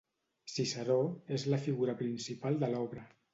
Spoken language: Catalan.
Ciceró - És la figura principal de l'obra.